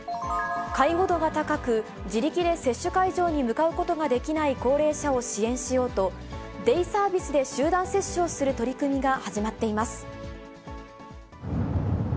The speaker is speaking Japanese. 介護度が高く、自力で接種会場に向かうことができない高齢者を支援しようと、デイサービスで集団接種をする取り組みが始まっています。